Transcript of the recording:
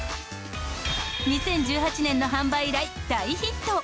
２０１８年の販売以来大ヒット。